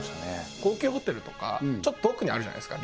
高級ホテルとかちょっと遠くにあるじゃないですか